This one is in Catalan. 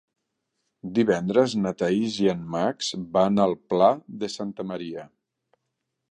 Divendres na Thaís i en Max van al Pla de Santa Maria.